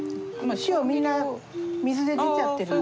塩みんな水で出ちゃってるもん。